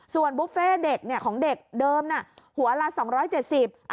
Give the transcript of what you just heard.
ส่วนบุฟเฟต์เด็กเนี่ยของเด็กเดิมนะหัวลา๒๗๐